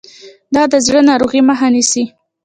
دا د زړه ناروغۍ مخه نیسي.